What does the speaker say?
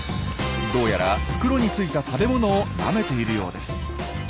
どうやら袋についた食べ物をなめているようです。